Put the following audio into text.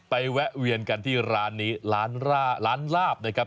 แวะเวียนกันที่ร้านนี้ร้านลาบนะครับ